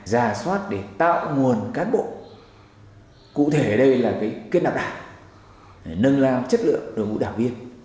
ra soát để tạo nguồn cán bộ cụ thể đây là cái kết nạp đảng nâng lao chất lượng đồng hữu đảng viên